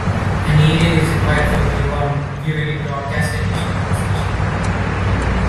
An aerial is required for viewing any broadcast television transmissions.